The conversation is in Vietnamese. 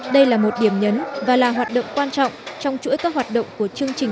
đây là một điểm nhấn và là hoạt động quan trọng trong chuỗi các hoạt động của chương trình